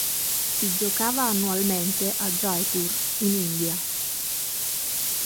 Si giocava annualmente a Jaipur in India.